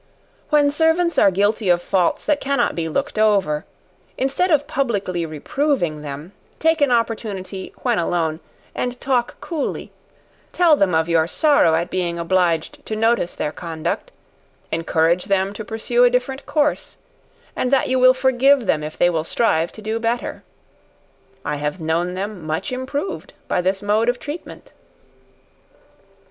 When servants are guilty of faults that cannot be looked over, instead of publicly reproving them, take an opportunity when alone, and talk coolly; tell them of your sorrow at being obliged to notice their conduct, encourage them to pursue a different course, and that you will forgive them if they will strive to do better. I have known them much improved by this mode of treatment.